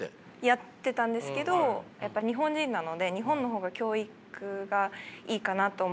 やってたんですけどやっぱ日本人なので日本の方が教育がいいかなと思って。